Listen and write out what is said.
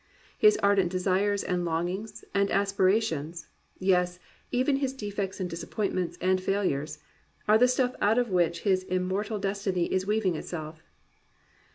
His ardent desires and longings and aspira tions, yes, even his defeats and disappointments and failures, are the stuff out of which his immortal destiny is weaving itself.